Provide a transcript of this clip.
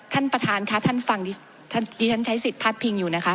ท่านประธานค่ะท่านฟังดิฉันใช้สิทธิพัดพิงอยู่นะคะ